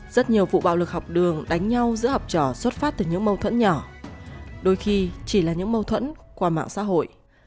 rất nhiều vụ bạo lực học đường đánh nhau giữa học trò xuất phát từ những mâu thuẫn nhỏ đôi khi chỉ là những mâu thuẫn qua mạng xã hội